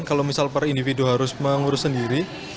kalau misal para individu harus mengurus sendiri